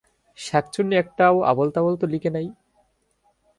শাঁকচুন্নী একটাও আবোল-তাবোল তো লিখে নাই।